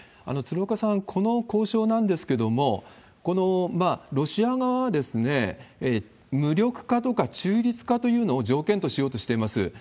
鶴岡さん、この交渉なんですけれども、このロシア側は、無力化とか中立化というのを条件としようとしています。